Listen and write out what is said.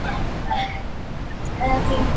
我快到了，你再等一下。